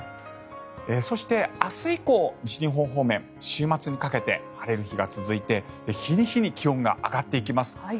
そして、明日以降西日本方面、週末にかけて晴れる日が続いて、日に日に気温が上がっていきます。